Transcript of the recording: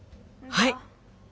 はい。